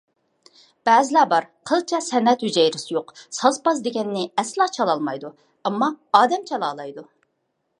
بەزىلەر بار، قىلچە سەنئەت ھۈجەيرىسى يوق، ساز-پاز دېگەننى ئەسلا چالالمايدۇ، ئەمما ئادەم چالالايدۇ.